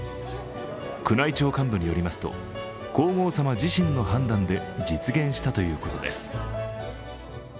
宮内庁幹部によりますと皇后さま自身の判断で実現したということです。